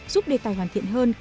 giúp đề tài hoàn thiện hơn